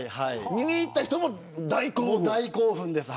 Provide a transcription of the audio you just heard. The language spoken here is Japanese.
見に行った人も大興奮です。